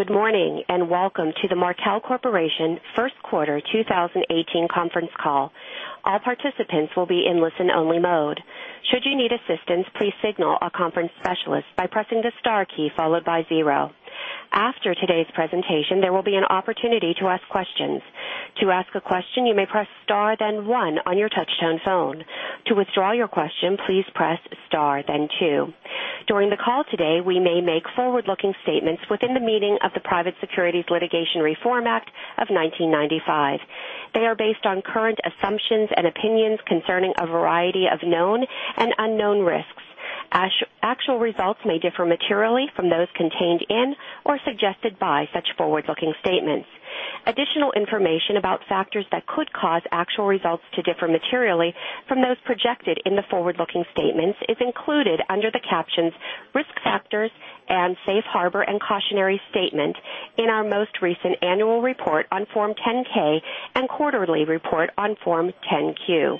Good morning, and welcome to the Markel Corporation first quarter 2018 conference call. All participants will be in listen-only mode. Should you need assistance, please signal our conference specialist by pressing the star key followed by zero. After today's presentation, there will be an opportunity to ask questions. To ask a question, you may press star, then one on your touch-tone phone. To withdraw your question, please press star, then two. During the call today, we may make forward-looking statements within the meaning of the Private Securities Litigation Reform Act of 1995. They are based on current assumptions and opinions concerning a variety of known and unknown risks. Actual results may differ materially from those contained in or suggested by such forward-looking statements. Additional information about factors that could cause actual results to differ materially from those projected in the forward-looking statements is included under the captions Risk Factors and Safe Harbor and Cautionary Statement in our most recent annual report on Form 10-K and quarterly report on Form 10-Q.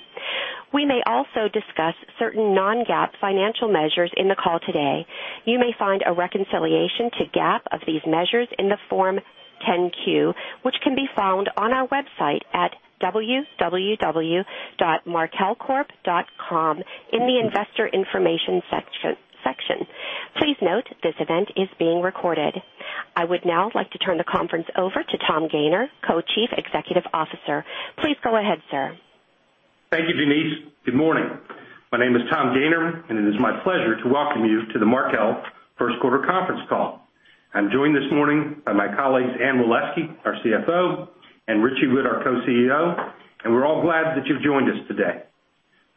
We may also discuss certain non-GAAP financial measures in the call today. You may find a reconciliation to GAAP of these measures in the Form 10-Q, which can be found on our website at www.markelcorp.com in the investor information section. Please note this event is being recorded. I would now like to turn the conference over to Tom Gayner, Co-Chief Executive Officer. Please go ahead, sir. Thank you, Denise. Good morning. My name is Tom Gayner, and it is my pleasure to welcome you to the Markel first quarter conference call. I'm joined this morning by my colleagues, Anne Waleski, our CFO, and Richie Whitt, our Co-CEO, and we're all glad that you've joined us today.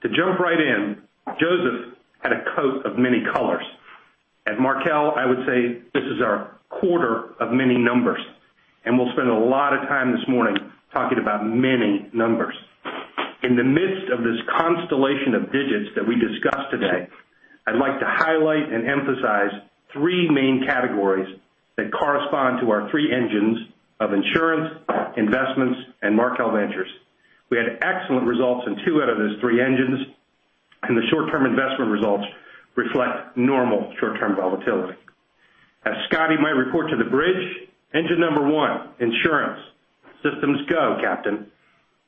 To jump right in, Joseph had a coat of many colors. At Markel, I would say this is our quarter of many numbers, and we'll spend a lot of time this morning talking about many numbers. In the midst of this constellation of digits that we discuss today, I'd like to highlight and emphasize three main categories that correspond to our three engines of insurance, investments, and Markel Ventures. We had excellent results in two out of those three engines, and the short-term investment results reflect normal short-term volatility. As Scotty might report to the bridge, engine number one, insurance. Systems go, Captain.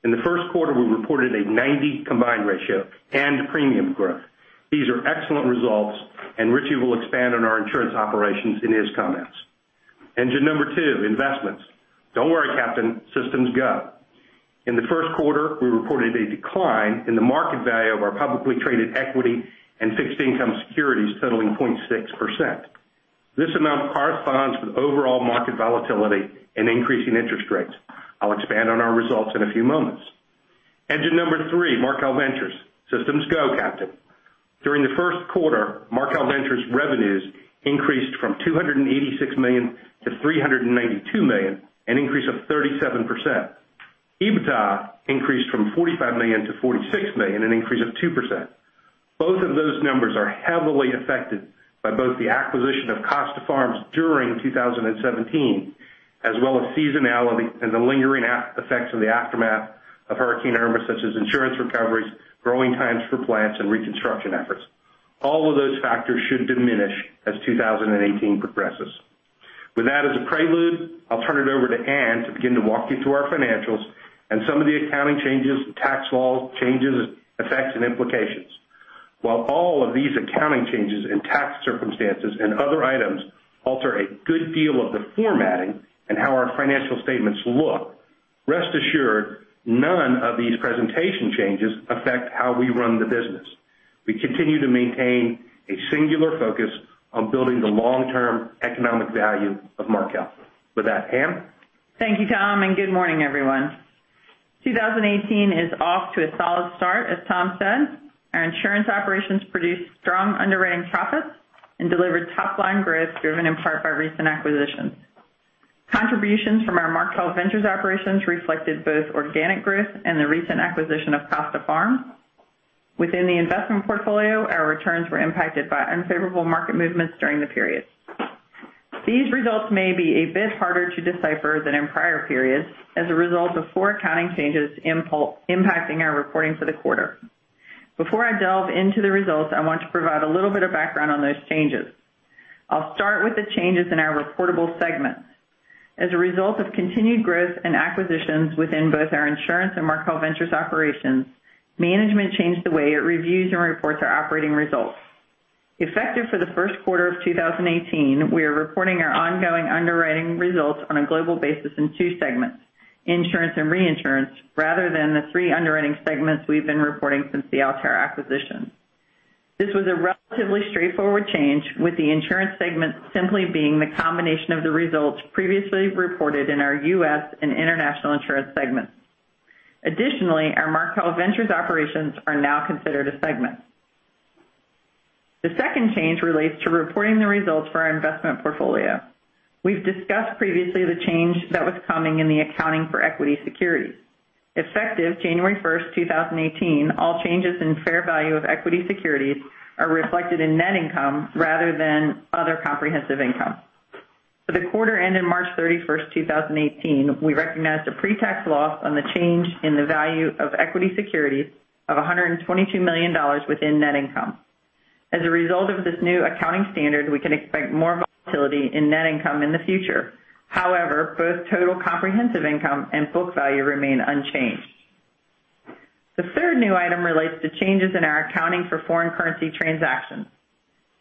In the first quarter, we reported a 90 combined ratio and premium growth. These are excellent results, and Richie will expand on our insurance operations in his comments. Engine number two, investments. Don't worry, Captain, systems go. In the first quarter, we reported a decline in the market value of our publicly traded equity and fixed income securities totaling 0.6%. This amount corresponds with overall market volatility and increasing interest rates. I'll expand on our results in a few moments. Engine number three, Markel Ventures. Systems go, Captain. During the first quarter, Markel Ventures' revenues increased from $286 million to $392 million, an increase of 37%. EBITDA increased from $45 million to $46 million, an increase of 2%. Both of those numbers are heavily affected by both the acquisition of Costa Farms during 2017, as well as seasonality and the lingering effects of the aftermath of Hurricane Irma, such as insurance recoveries, growing times for plants, and reconstruction efforts. All of those factors should diminish as 2018 progresses. With that as a prelude, I'll turn it over to Anne to begin to walk you through our financials and some of the accounting changes, tax law changes, effects, and implications. While all of these accounting changes and tax circumstances and other items alter a good deal of the formatting and how our financial statements look, rest assured none of these presentation changes affect how we run the business. We continue to maintain a singular focus on building the long-term economic value of Markel. With that, Anne? Thank you, Tom, and good morning, everyone. 2018 is off to a solid start, as Tom said. Our insurance operations produced strong underwriting profits and delivered top-line growth, driven in part by recent acquisitions. Contributions from our Markel Ventures operations reflected both organic growth and the recent acquisition of Costa Farms. Within the investment portfolio, our returns were impacted by unfavorable market movements during the period. These results may be a bit harder to decipher than in prior periods as a result of four accounting changes impacting our reporting for the quarter. Before I delve into the results, I want to provide a little bit of background on those changes. I'll start with the changes in our reportable segments. As a result of continued growth and acquisitions within both our insurance and Markel Ventures operations, management changed the way it reviews and reports our operating results. Effective for the first quarter of 2018, we are reporting our ongoing underwriting results on a global basis in two segments, insurance and reinsurance, rather than the three underwriting segments we've been reporting since the Alterra acquisition. This was a relatively straightforward change, with the insurance segment simply being the combination of the results previously reported in our U.S. and international insurance segments. Additionally, our Markel Ventures operations are now considered a segment. The second change relates to reporting the results for our investment portfolio. We've discussed previously the change that was coming in the accounting for equity securities. Effective January 1st, 2018, all changes in fair value of equity securities are reflected in net income rather than other comprehensive income. For the quarter ending March 31st, 2018, we recognized a pre-tax loss on the change in the value of equity securities of $122 million within net income. As a result of this new accounting standard, we can expect more volatility in net income in the future. However, both total comprehensive income and book value remain unchanged. The third new item relates to changes in our accounting for foreign currency transactions.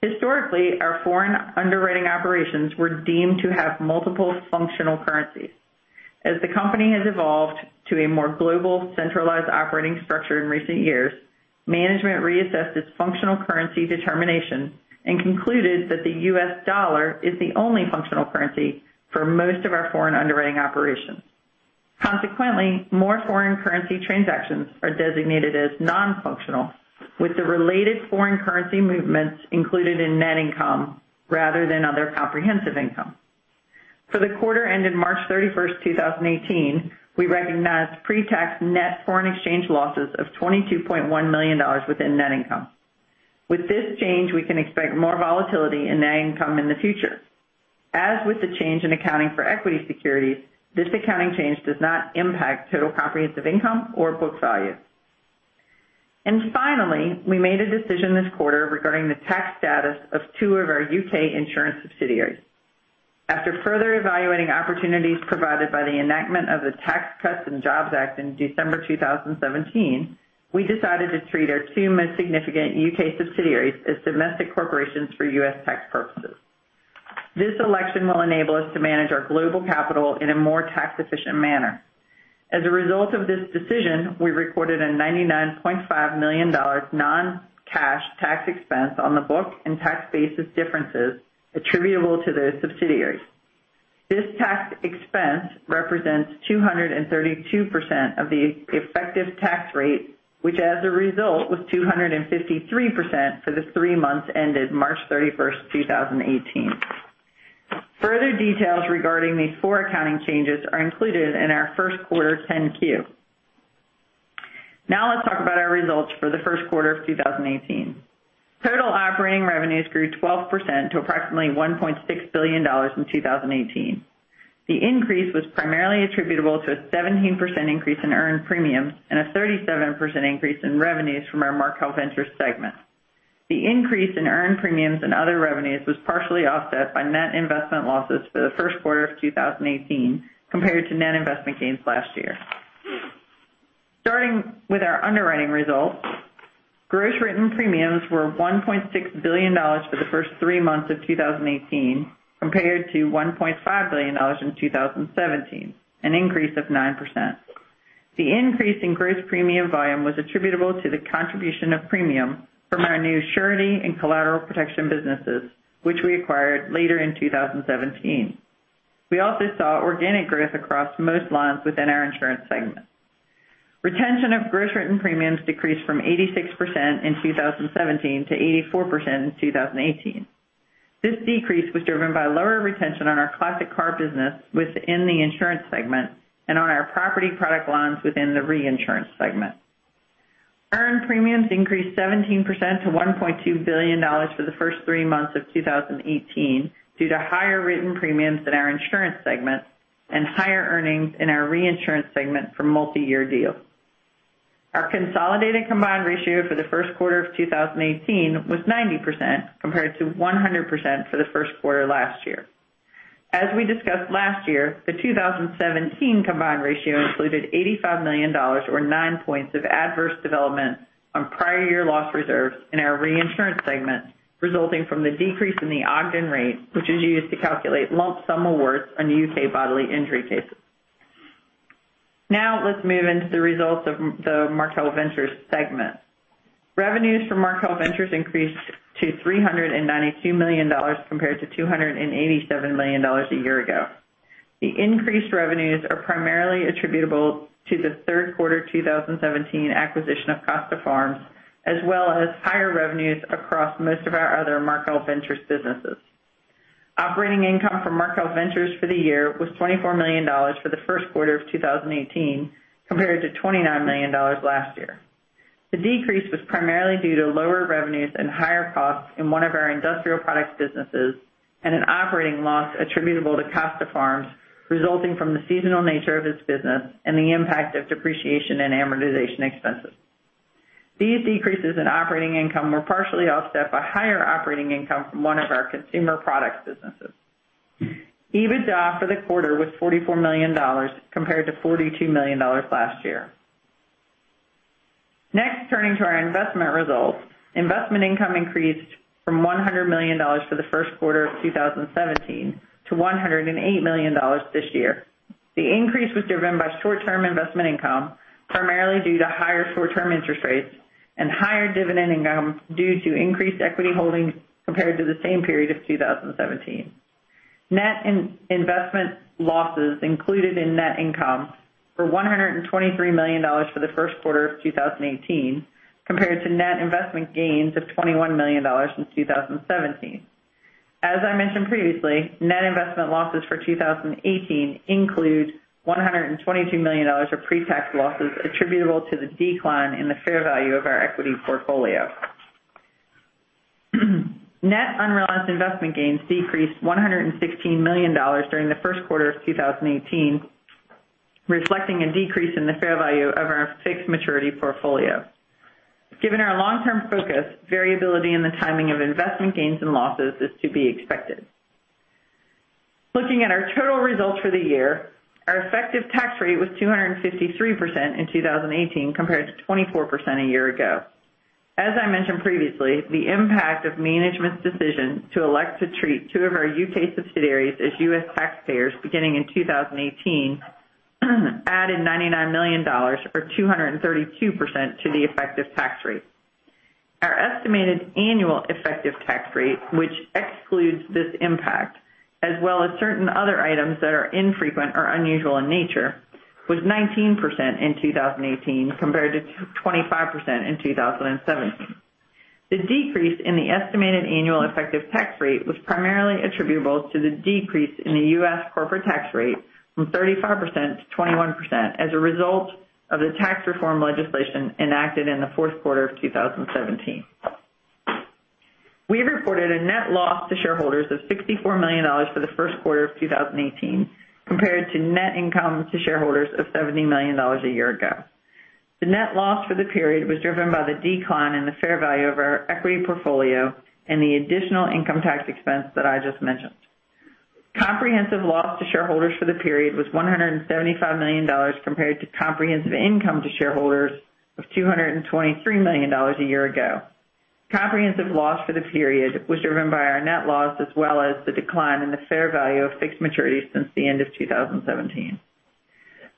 Historically, our foreign underwriting operations were deemed to have multiple functional currencies. As the company has evolved to a more global, centralized operating structure in recent years, management reassessed its functional currency determination and concluded that the U.S. dollar is the only functional currency for most of our foreign underwriting operations. Consequently, more foreign currency transactions are designated as non-functional, with the related foreign currency movements included in net income rather than other comprehensive income. For the quarter ended March 31st, 2018, we recognized pre-tax net foreign exchange losses of $22.1 million within net income. With this change, we can expect more volatility in net income in the future. As with the change in accounting for equity securities, this accounting change does not impact total comprehensive income or book value. Finally, we made a decision this quarter regarding the tax status of two of our U.K. insurance subsidiaries. After further evaluating opportunities provided by the enactment of the Tax Cuts and Jobs Act in December 2017, we decided to treat our two most significant U.K. subsidiaries as domestic corporations for U.S. tax purposes. This election will enable us to manage our global capital in a more tax-efficient manner. As a result of this decision, we recorded a $99.5 million non-cash tax expense on the book and tax basis differences attributable to those subsidiaries. This tax expense represents 232% of the effective tax rate, which as a result was 253% for the three months ended March 31st, 2018. Further details regarding these four accounting changes are included in our first quarter 10-Q. Now let's talk about our results for the first quarter of 2018. Total operating revenues grew 12% to approximately $1.6 billion in 2018. The increase was primarily attributable to a 17% increase in earned premiums and a 37% increase in revenues from our Markel Ventures segment. The increase in earned premiums and other revenues was partially offset by net investment losses for the first quarter of 2018 compared to net investment gains last year. Starting with our underwriting results, gross written premiums were $1.6 billion for the first three months of 2018, compared to $1.5 billion in 2017, an increase of 9%. The increase in gross premium volume was attributable to the contribution of premium from our new surety and collateral protection businesses, which we acquired later in 2017. We also saw organic growth across most lines within our insurance segment. Retention of gross written premiums decreased from 86% in 2017 to 84% in 2018. This decrease was driven by lower retention on our classic car business within the insurance segment and on our property product lines within the reinsurance segment. Earned premiums increased 17% to $1.2 billion for the first three months of 2018 due to higher written premiums in our insurance segment and higher earnings in our reinsurance segment from multi-year deals. Our consolidated combined ratio for the first quarter of 2018 was 90%, compared to 100% for the first quarter last year. As we discussed last year, the 2017 combined ratio included $85 million, or nine points, of adverse development on prior year loss reserves in our reinsurance segment, resulting from the decrease in the Ogden rate, which is used to calculate lump sum awards on U.K. bodily injury cases. Let's move into the results of the Markel Ventures segment. Revenues for Markel Ventures increased to $392 million compared to $286 million a year ago. The increased revenues are primarily attributable to the third quarter 2017 acquisition of Costa Farms, as well as higher revenues across most of our other Markel Ventures businesses. Operating income from Markel Ventures for the year was $24 million for the first quarter of 2018 compared to $29 million last year. The decrease was primarily due to lower revenues and higher costs in one of our industrial products businesses and an operating loss attributable to Costa Farms, resulting from the seasonal nature of its business and the impact of depreciation and amortization expenses. These decreases in operating income were partially offset by higher operating income from one of our consumer products businesses. EBITDA for the quarter was $46 million, compared to $45 million last year. Turning to our investment results. Investment income increased from $100 million for the first quarter of 2017 to $108 million this year. The increase was driven by short-term investment income, primarily due to higher short-term interest rates and higher dividend income due to increased equity holdings compared to the same period of 2017. Net investment losses included in net income were $123 million for the first quarter of 2018, compared to net investment gains of $21 million in 2017. As I mentioned previously, net investment losses for 2018 include $122 million of pre-tax losses attributable to the decline in the fair value of our equity portfolio. Net unrealized investment gains decreased $116 million during the first quarter of 2018 reflecting a decrease in the fair value of our fixed maturity portfolio. Given our long-term focus, variability in the timing of investment gains and losses is to be expected. Looking at our total results for the year, our effective tax rate was 253% in 2018 compared to 24% a year ago. As I mentioned previously, the impact of management's decision to elect to treat two of our U.K. subsidiaries as U.S. taxpayers beginning in 2018, added $99 million or 232% to the effective tax rate. Our estimated annual effective tax rate, which excludes this impact, as well as certain other items that are infrequent or unusual in nature, was 19% in 2018 compared to 25% in 2017. The decrease in the estimated annual effective tax rate was primarily attributable to the decrease in the U.S. corporate tax rate from 35% to 21% as a result of the tax reform legislation enacted in the fourth quarter of 2017. We reported a net loss to shareholders of $64 million for the first quarter of 2018 compared to net income to shareholders of $70 million a year ago. The net loss for the period was driven by the decline in the fair value of our equity portfolio and the additional income tax expense that I just mentioned. Comprehensive loss to shareholders for the period was $175 million compared to comprehensive income to shareholders of $223 million a year ago. Comprehensive loss for the period was driven by our net loss, as well as the decline in the fair value of fixed maturities since the end of 2017.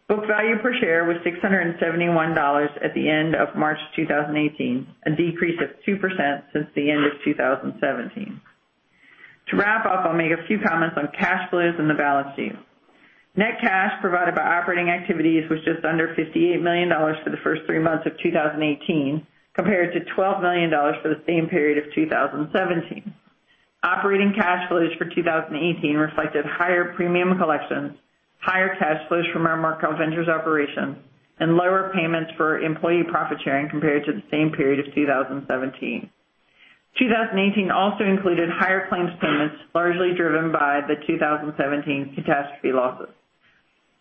Book value per share was $671 at the end of March 2018, a decrease of 2% since the end of 2017. To wrap up, I'll make a few comments on cash flows and the balance sheet. Net cash provided by operating activities was just under $58 million for the first three months of 2018 compared to $12 million for the same period of 2017. Operating cash flows for 2018 reflected higher premium collections, higher cash flows from our Markel Ventures operations, and lower payments for employee profit-sharing compared to the same period of 2017. 2018 also included higher claims payments, largely driven by the 2017 catastrophe losses.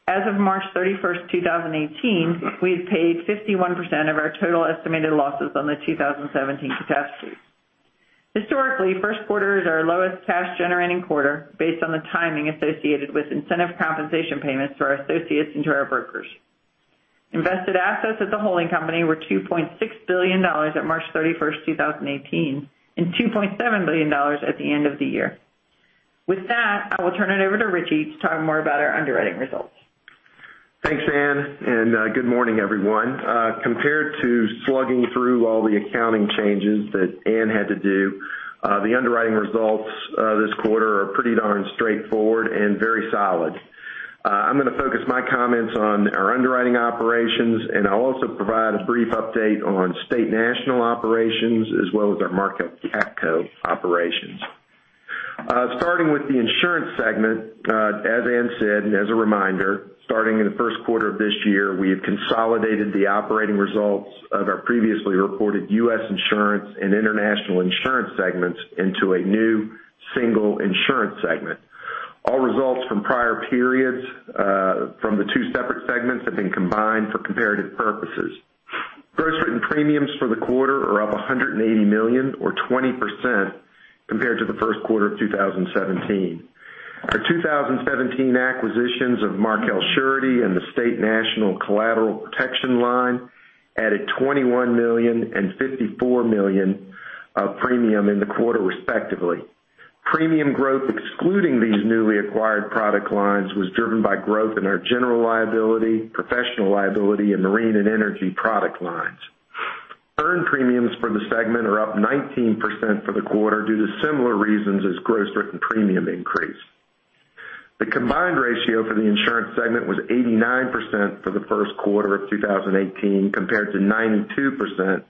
As of March 31st, 2018, we had paid 51% of our total estimated losses on the 2017 catastrophe. Historically, first quarter is our lowest cash-generating quarter based on the timing associated with incentive compensation payments to our associates and to our brokers. Invested assets at the holding company were $2.6 billion at March 31st, 2018, and $2.7 billion at the end of the year. With that, I will turn it over to Richie to talk more about our underwriting results. Thanks, Anne, and good morning, everyone. Compared to slogging through all the accounting changes that Anne had to do, the underwriting results this quarter are pretty darn straightforward and very solid. I'm going to focus my comments on our underwriting operations, and I'll also provide a brief update on State National operations as well as our Markel CATCo operations. Starting with the insurance segment, as Anne said, as a reminder, starting in the first quarter of this year, we have consolidated the operating results of our previously reported U.S. insurance and international insurance segments into a new single insurance segment. All results from prior periods, from the two separate segments have been combined for comparative purposes. Gross written premiums for the quarter are up $180 million or 20% compared to the first quarter of 2017. Our 2017 acquisitions of Markel Surety and the State National Collateral Protection line added $21 million and $54 million of premium in the quarter respectively. Premium growth excluding these newly acquired product lines was driven by growth in our general liability, professional liability and marine and energy product lines. Earned premiums for the segment are up 19% for the quarter due to similar reasons as gross written premium increase. The combined ratio for the insurance segment was 89% for the first quarter of 2018, compared to 92%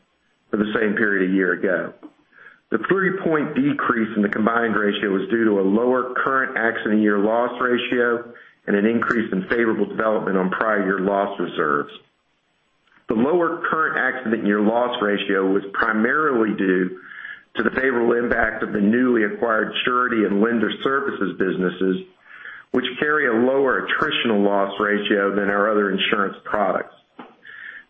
for the same period a year ago. The three-point decrease in the combined ratio was due to a lower current accident year loss ratio and an increase in favorable development on prior year loss reserves. The lower current accident year loss ratio was primarily due to the favorable impact of the newly acquired surety and lender services businesses, which carry a lower attritional loss ratio than our other insurance products.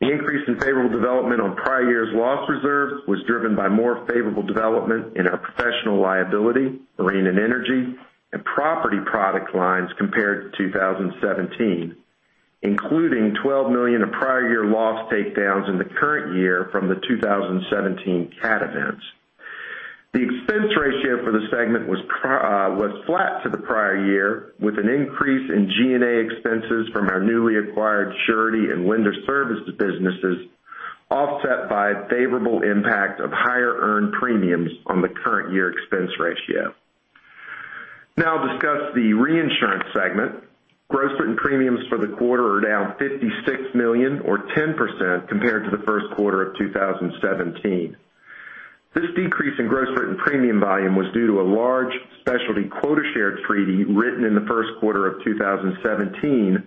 The increase in favorable development on prior years' loss reserves was driven by more favorable development in our professional liability, marine and energy, and property product lines compared to 2017, including $12 million of prior year loss takedowns in the current year from the 2017 cat events. The expense ratio for the segment was flat to the prior year, with an increase in G&A expenses from our newly acquired surety and lender services businesses, offset by favorable impact of higher earned premiums on the current year expense ratio. I'll discuss the reinsurance segment. Gross written premiums for the quarter are down $56 million or 10% compared to the first quarter of 2017. This decrease in gross written premium volume was due to a large specialty quota share treaty written in the first quarter of 2017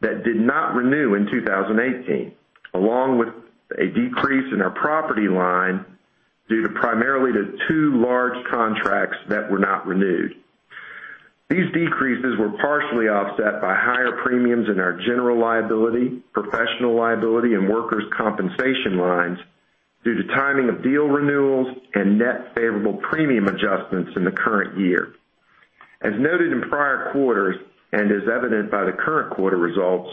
that did not renew in 2018, along with a decrease in our property line due primarily to two large contracts that were not renewed. These decreases were partially offset by higher premiums in our general liability, professional liability, and workers' compensation lines due to timing of deal renewals and net favorable premium adjustments in the current year. As noted in prior quarters, and as evidenced by the current quarter results,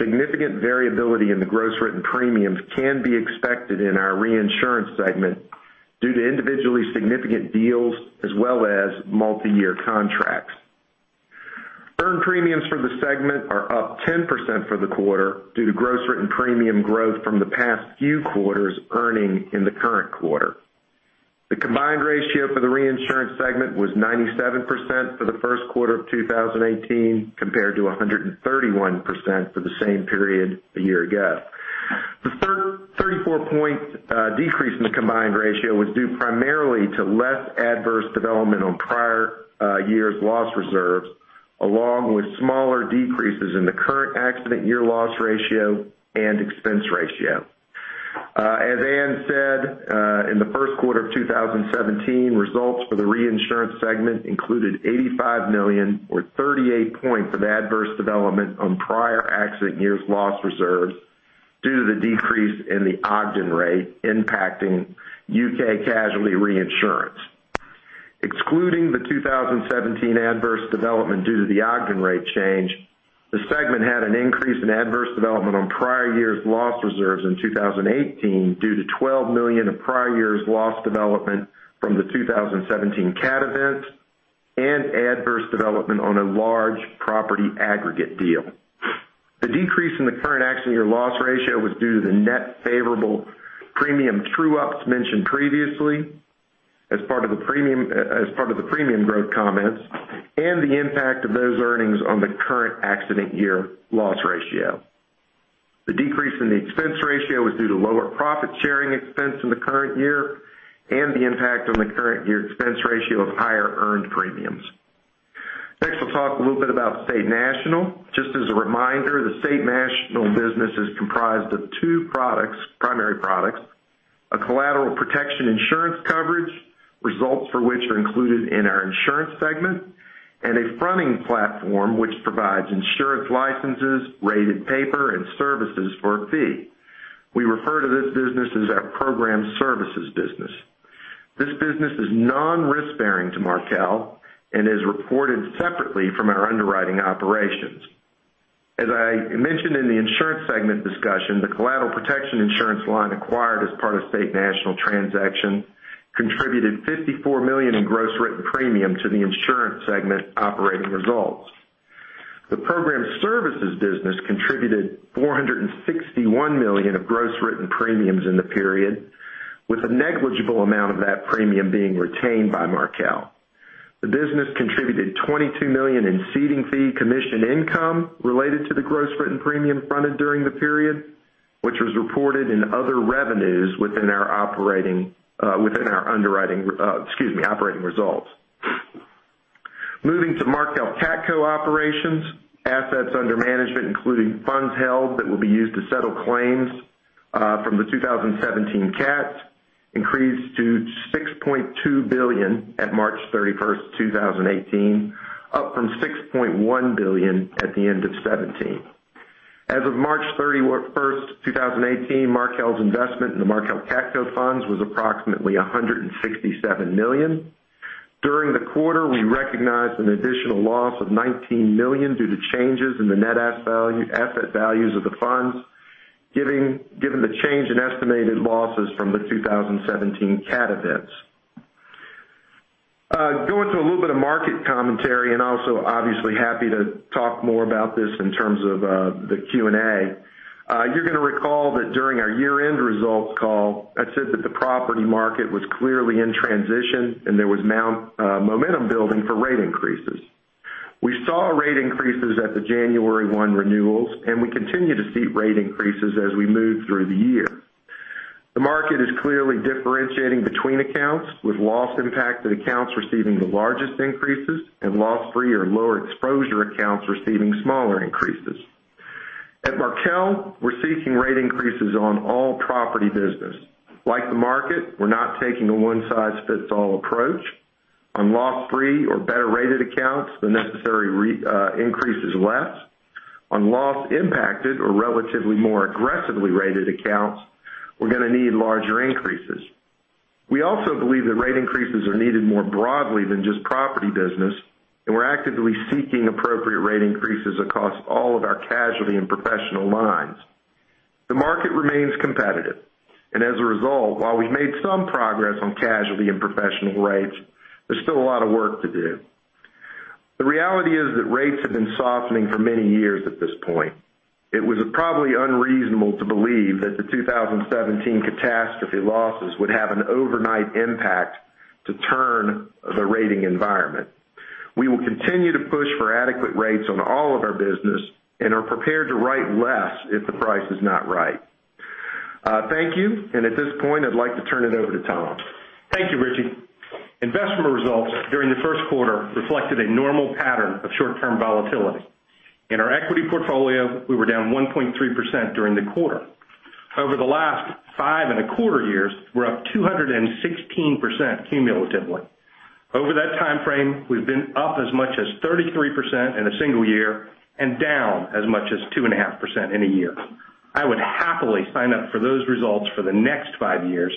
significant variability in the gross written premiums can be expected in our reinsurance segment due to individually significant deals as well as multi-year contracts. Earned premiums for the segment are up 10% for the quarter due to gross written premium growth from the past few quarters earning in the current quarter. The combined ratio for the reinsurance segment was 97% for the first quarter of 2018, compared to 131% for the same period a year ago. The 34 point decrease in the combined ratio was due primarily to less adverse development on prior years' loss reserves, along with smaller decreases in the current accident year loss ratio and expense ratio. As Anne said, in the first quarter of 2017, results for the reinsurance segment included $85 million, or 38 points of adverse development on prior accident years' loss reserves due to the decrease in the Ogden rate impacting U.K. casualty reinsurance. Excluding the 2017 adverse development due to the Ogden rate change, the segment had an increase in adverse development on prior years' loss reserves in 2018 due to $12 million of prior years' loss development from the 2017 cat event and adverse development on a large property aggregate deal. The decrease in the current accident year loss ratio was due to the net favorable premium true-ups mentioned previously as part of the premium growth comments and the impact of those earnings on the current accident year loss ratio. The decrease in the expense ratio is due to lower profit sharing expense in the current year and the impact on the current year expense ratio of higher earned premiums. Next, we'll talk a little bit about State National. Just as a reminder, the State National business is comprised of two primary products, a collateral protection insurance coverage, results for which are included in our insurance segment, and a fronting platform which provides insurance licenses, rated paper, and services for a fee. We refer to this business as our Program Services business. This business is non-risk bearing to Markel and is reported separately from our underwriting operations. As I mentioned in the insurance segment discussion, the collateral protection insurance line acquired as part of State National transaction contributed $54 million in gross written premium to the insurance segment operating results. The Program Services business contributed $461 million of gross written premiums in the period, with a negligible amount of that premium being retained by Markel. The business contributed $22 million in ceding fee commission income related to the gross written premium fronted during the period, which was reported in other revenues within our operating results. Moving to Markel CATCo operations, assets under management, including funds held that will be used to settle claims from the 2017 cats, increased to $6.2 billion at March 31st, 2018, up from $6.1 billion at the end of 2017. As of March 31st, 2018, Markel's investment in the Markel CATCo funds was approximately $167 million. During the quarter, we recognized an additional loss of $19 million due to changes in the net asset values of the funds, given the change in estimated losses from the 2017 cat events. Going to a little bit of market commentary and also obviously happy to talk more about this in terms of the Q&A. You're going to recall that during our year-end results call, I said that the property market was clearly in transition and there was momentum building for rate increases. We saw rate increases at the January 1 renewals, and we continue to see rate increases as we move through the year. The market is clearly differentiating between accounts with loss-impacted accounts receiving the largest increases and loss-free or lower exposure accounts receiving smaller increases. At Markel, we're seeking rate increases on all property business. Like the market, we're not taking a one size fits all approach. On loss-free or better rated accounts, the necessary increase is less. On loss impacted or relatively more aggressively rated accounts, we're going to need larger increases. We also believe that rate increases are needed more broadly than just property business, and we're actively seeking appropriate rate increases across all of our casualty and professional lines. The market remains competitive, and as a result, while we've made some progress on casualty and professional rates, there's still a lot of work to do. The reality is that rates have been softening for many years at this point. It was probably unreasonable to believe that the 2017 catastrophe losses would have an overnight impact to turn the rating environment. We will continue to push for adequate rates on all of our business and are prepared to write less if the price is not right. Thank you. At this point, I'd like to turn it over to Tom. Thank you, Richie. Investment results during the first quarter reflected a normal pattern of short-term volatility. In our equity portfolio, we were down 1.3% during the quarter. Over the last five and a quarter years, we're up 216% cumulatively. Over that timeframe, we've been up as much as 33% in a single year, and down as much as 2.5% in a year. I would happily sign up for those results for the next five years,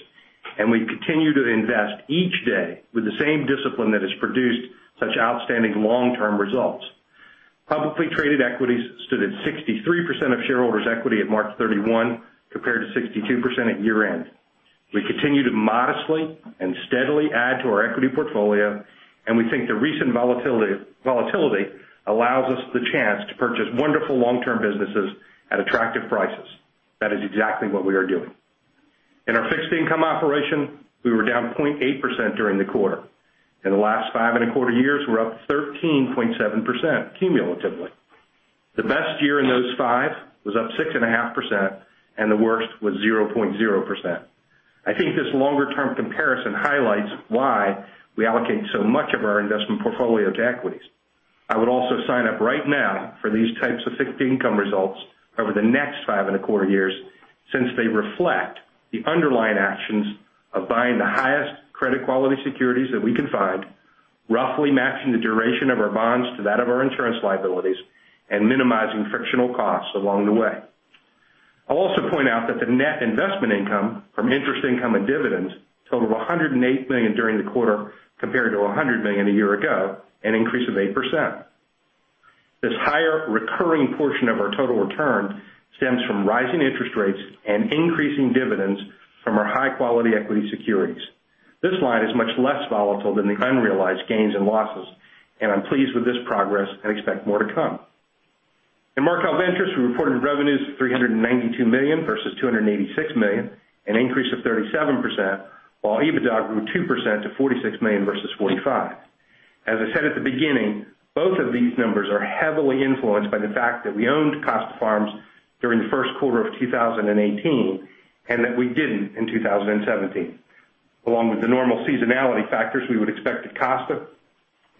and we continue to invest each day with the same discipline that has produced such outstanding long-term results. Publicly traded equities stood at 63% of shareholders' equity at March 31, compared to 62% at year-end. We continue to modestly and steadily add to our equity portfolio, and we think the recent volatility allows us the chance to purchase wonderful long-term businesses at attractive prices. That is exactly what we are doing. In our fixed income operation, we're down 0.8% during the quarter. In the last five and a quarter years, we're up 13.7% cumulatively. The best year in those five was up 6.5%, and the worst was 0.0%. I think this longer-term comparison highlights why we allocate so much of our investment portfolio to equities. I would also sign up right now for these types of fixed income results over the next five and a quarter years, since they reflect the underlying actions of buying the highest credit quality securities that we can find, roughly matching the duration of our bonds to that of our insurance liabilities, and minimizing frictional costs along the way. I'll also point out that the net investment income from interest income and dividends totaled $108 million during the quarter compared to $100 million a year ago, an increase of 8%. This higher recurring portion of our total return stems from rising interest rates and increasing dividends from our high-quality equity securities. This line is much less volatile than the unrealized gains and losses, and I'm pleased with this progress and expect more to come. In Markel Ventures, we reported revenues of $392 million versus $286 million, an increase of 37%, while EBITDA grew 2% to $46 million versus $45 million. As I said at the beginning, both of these numbers are heavily influenced by the fact that we owned Costa Farms during the first quarter of 2018, and that we didn't in 2017. Along with the normal seasonality factors we would expect at Costa,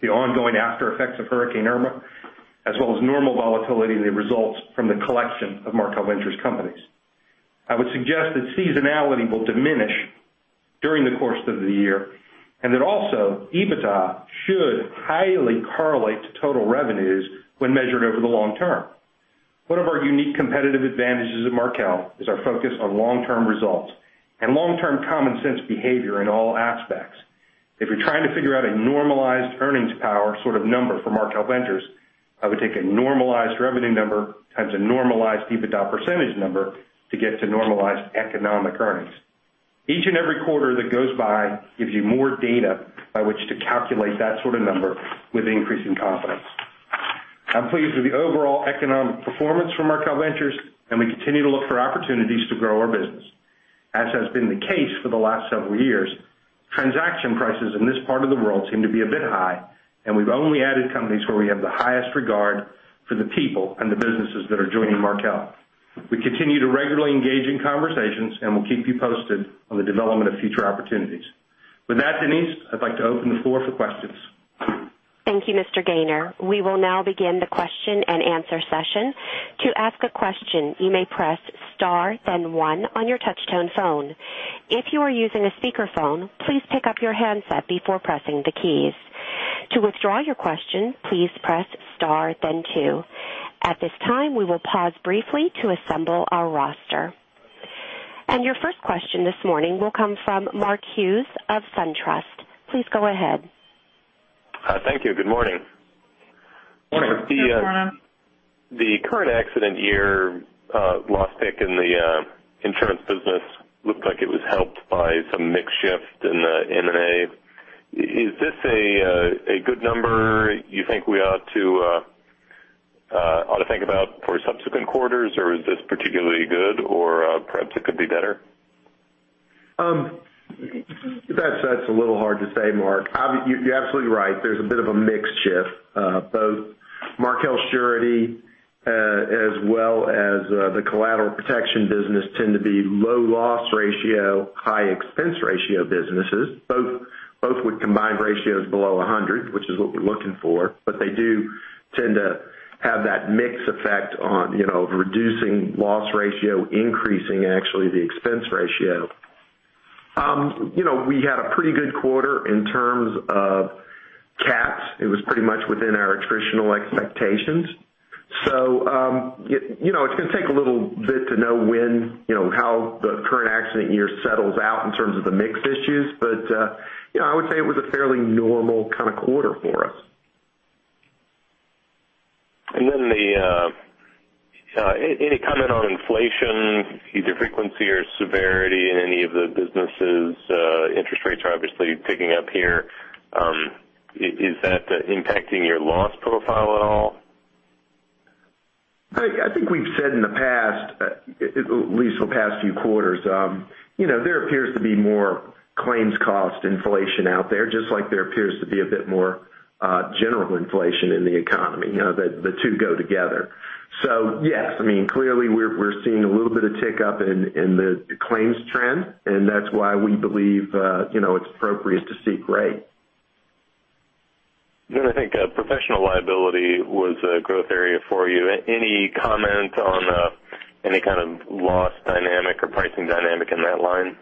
the ongoing aftereffects of Hurricane Irma, as well as normal volatility in the results from the collection of Markel Ventures companies. I would suggest that seasonality will diminish during the course of the year, and that also EBITDA should highly correlate to total revenues when measured over the long term. One of our unique competitive advantages at Markel is our focus on long-term results and long-term common sense behavior in all aspects. If you're trying to figure out a normalized earnings power sort of number for Markel Ventures, I would take a normalized revenue number times a normalized EBITDA percentage number to get to normalized economic earnings. Each and every quarter that goes by gives you more data by which to calculate that sort of number with increasing confidence. I'm pleased with the overall economic performance from Markel Ventures, and we continue to look for opportunities to grow our business. As has been the case for the last several years, transaction prices in this part of the world seem to be a bit high, and we've only added companies where we have the highest regard for the people and the businesses that are joining Markel. We continue to regularly engage in conversations, and we'll keep you posted on the development of future opportunities. With that, Denise, I'd like to open the floor for questions. Thank you, Mr. Gayner. We will now begin the question and answer session. To ask a question, you may press star then one on your touchtone phone. If you are using a speakerphone, please pick up your handset before pressing the keys. To withdraw your question, please press star then two. At this time, we will pause briefly to assemble our roster. Your first question this morning will come from Mark Hughes of SunTrust. Please go ahead. Thank you. Good morning. Morning. Good morning. The current accident year loss pick in the insurance business looked like it was helped by some mix shift in the M&A. Is this a good number you think we ought to think about for subsequent quarters, or is this particularly good, or perhaps it could be better? That's a little hard to say, Mark. You're absolutely right. There's a bit of a mix shift. Both Markel Surety as well as the collateral protection business tend to be low loss ratio, high expense ratio businesses, both with combined ratios below 100, which is what we're looking for. They do tend to have that mix effect on reducing loss ratio, increasing actually the expense ratio. We had a pretty good quarter in terms of cats. It was pretty much within our attritional expectations. It's going to take a little bit to know how the current accident year settles out in terms of the mix issues. I would say it was a fairly normal kind of quarter for us. Any comment on inflation, either frequency or severity in any of the businesses? Interest rates are obviously ticking up here. Is that impacting your loss profile at all? I think we've said in the past, at least the past few quarters, there appears to be more claims cost inflation out there, just like there appears to be a bit more general inflation in the economy. The two go together. Yes, clearly we're seeing a little bit of tick up in the claims trend, and that's why we believe it's appropriate to seek rate. I think professional liability was a growth area for you. Any comment on any kind of loss dynamic or pricing dynamic in that line?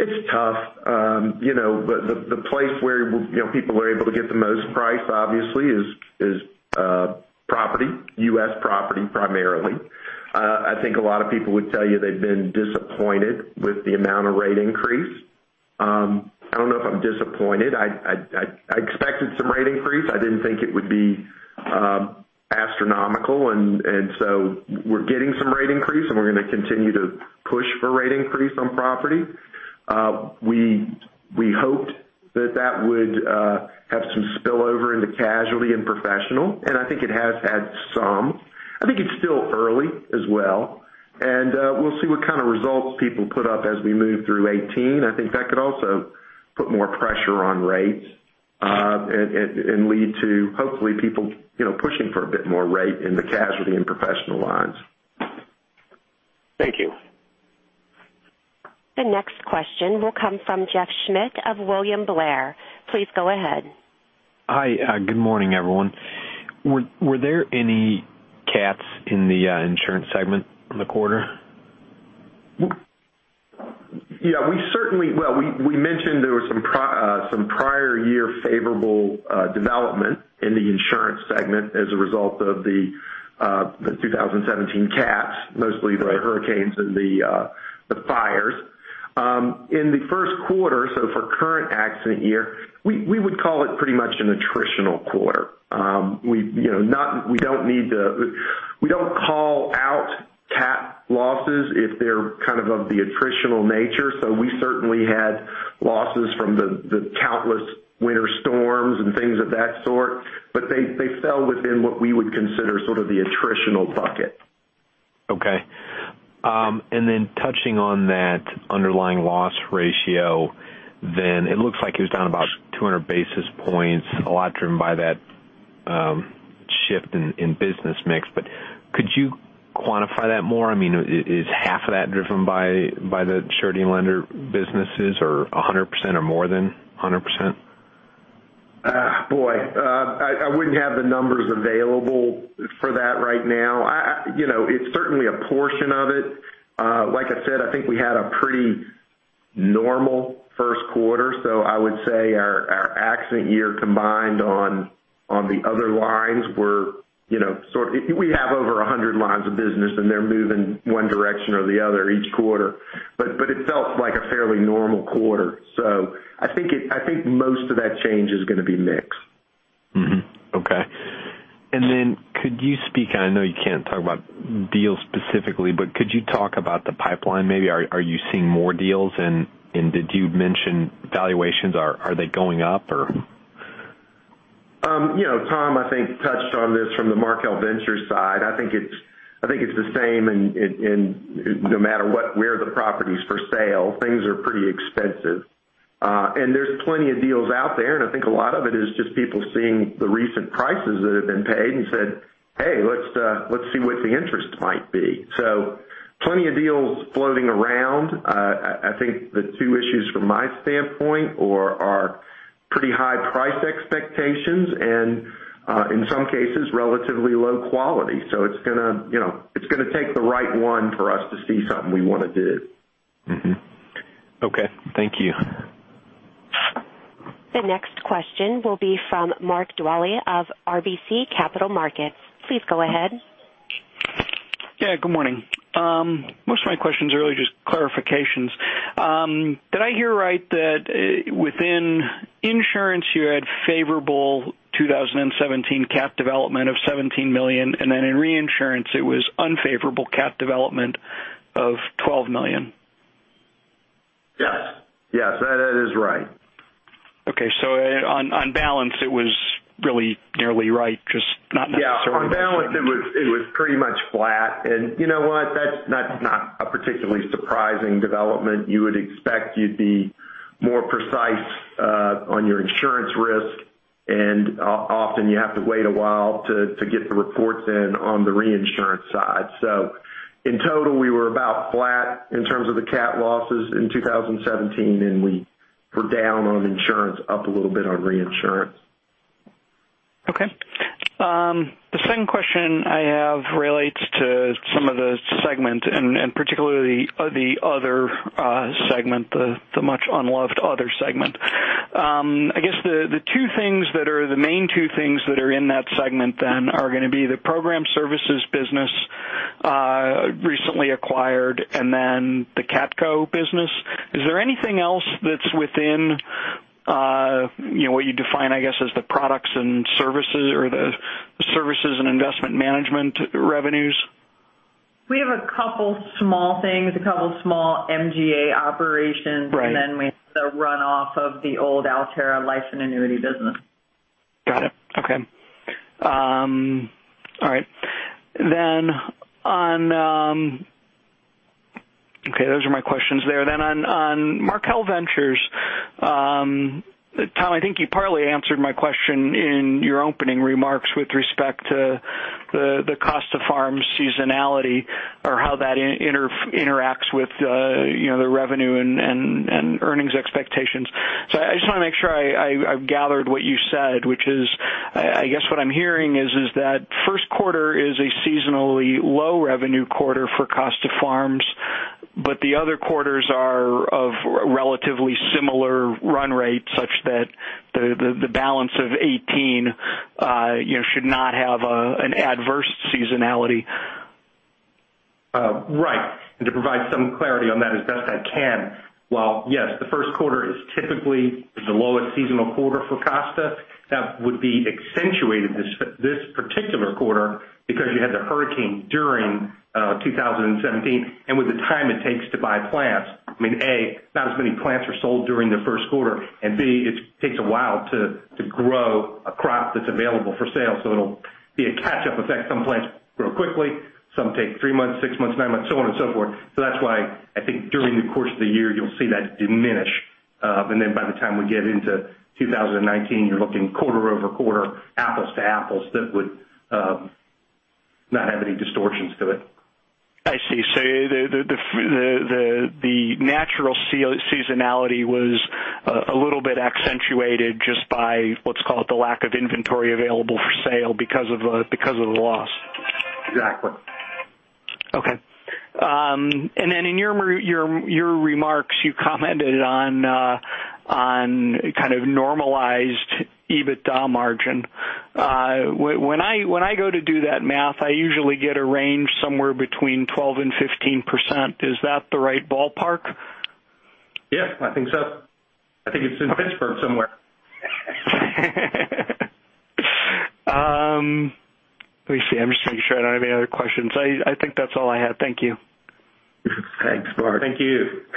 It's tough. The place where people are able to get the most price, obviously, is property, U.S. property primarily. I think a lot of people would tell you they've been disappointed with the amount of rate increase. I don't know if I'm disappointed. I expected some rate increase. I didn't think it would be astronomical. We're getting some rate increase, and we're going to continue to push for rate increase on property. We hoped that that would have some spillover into casualty and professional, and I think it has had some. I think it's still early as well, and we'll see what kind of results people put up as we move through 2018. I think that could also put more pressure on rates, and lead to, hopefully, people pushing for a bit more rate in the casualty and professional lines. Thank you. The next question will come from Jeff Schmitt of William Blair. Please go ahead. Hi. Good morning, everyone. Were there any cats in the insurance segment in the quarter? We mentioned there was some prior year favorable development in the insurance segment as a result of the 2017 cats, mostly the hurricanes and the fires. In the first quarter, for current accident year, we would call it pretty much an attritional quarter. We don't call out cat losses if they're of the attritional nature. We certainly had losses from the countless winter storms and things of that sort, but they fell within what we would consider sort of the attritional bucket. Touching on that underlying loss ratio, then it looks like it was down about 200 basis points, a lot driven by that shift in business mix. Could you quantify that more? Is half of that driven by the surety and lender businesses, or 100%, or more than 100%? Boy, I wouldn't have the numbers available for that right now. It's certainly a portion of it. Like I said, I think we had a pretty normal first quarter. I would say our accident year combined on the other lines were we have over 100 lines of business, and they're moving one direction or the other each quarter. It felt like a fairly normal quarter. I think most of that change is going to be mix. Could you speak, and I know you can't talk about deals specifically, but could you talk about the pipeline maybe? Are you seeing more deals, and did you mention valuations? Are they going up? Tom, I think, touched on this from the Markel Ventures side. I think it's the same no matter where the property's for sale. Things are pretty expensive. There's plenty of deals out there, and I think a lot of it is just people seeing the recent prices that have been paid and said, "Hey, let's see what the interest might be." Plenty of deals floating around. I think the two issues from my standpoint are pretty high price expectations and, in some cases, relatively low quality. It's going to take the right one for us to see something we want to do. Okay. Thank you. The next question will be from Mark Dwelle of RBC Capital Markets. Please go ahead. Yeah. Good morning. Most of my questions are really just clarifications. Did I hear right that within insurance, you had favorable 2017 cat development of $17 million, and then in reinsurance, it was unfavorable cat development of $12 million? Yes. That is right. Okay. On balance, it was really nearly right. Yeah. On balance, it was pretty much flat. You know what? That's not a particularly surprising development. You would expect you'd be more precise on your insurance risk, often you have to wait a while to get the reports in on the reinsurance side. In total, we were about flat in terms of the cat losses in 2017, and we were down on insurance, up a little bit on reinsurance. Okay. The second question I have relates to some of the segments and particularly the other segment, the much unloved other segment. I guess the main two things that are in that segment then are going to be the Program Services business, recently acquired, and then the CatCo business. Is there anything else that's within what you define, I guess, as the products and services or the services and investment management revenues? We have a couple small things, a couple small MGA operations. Right. We have the runoff of the old Alterra life and annuity business. Got it. Okay. All right. Okay. Those are my questions there. On Markel Ventures, Tom, I think you partly answered my question in your opening remarks with respect to The Costa Farms seasonality or how that interacts with the revenue and earnings expectations. I just want to make sure I've gathered what you said, which is, I guess what I'm hearing is that first quarter is a seasonally low revenue quarter for Costa Farms, but the other quarters are of relatively similar run rates such that the balance of 2018 should not have an adverse seasonality. Right. To provide some clarity on that as best I can. While yes, the first quarter is typically the lowest seasonal quarter for Costa, that would be accentuated this particular quarter because you had the hurricane during 2017. With the time it takes to buy plants, I mean, A, not as many plants are sold during the first quarter, and B, it takes a while to grow a crop that's available for sale. It'll be a catch-up effect. Some plants grow quickly, some take three months, six months, nine months, so on and so forth. That's why I think during the course of the year you'll see that diminish. By the time we get into 2019, you're looking quarter-over-quarter, apples to apples, that would not have any distortions to it. I see. The natural seasonality was a little bit accentuated just by what's called the lack of inventory available for sale because of the loss. Exactly. In your remarks, you commented on kind of normalized EBITDA margin. When I go to do that math, I usually get a range somewhere between 12%-15%. Is that the right ballpark? Yes, I think so. I think it's in Pittsburgh somewhere. Let me see. I'm just making sure I don't have any other questions. I think that's all I have. Thank you. Thanks, Mark. Thank you.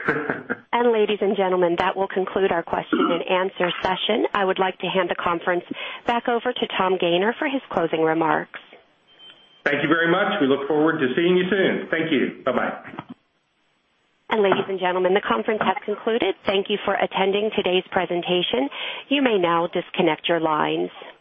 Ladies and gentlemen, that will conclude our question and answer session. I would like to hand the conference back over to Tom Gayner for his closing remarks. Thank you very much. We look forward to seeing you soon. Thank you. Bye-bye. ladies and gentlemen, the conference has concluded. Thank you for attending today's presentation. You may now disconnect your lines.